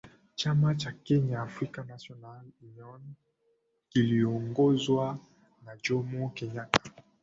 Chama cha Kenya African National Union kiliongozwa na Jomo Kenyatta